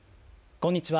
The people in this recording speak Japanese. こんにちは。